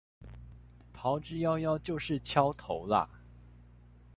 逃之夭夭就是蹺頭啦